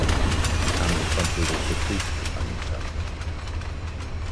Er kam in französische Kriegsgefangenschaft.